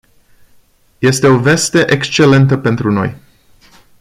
Este o veste excelentă pentru noi.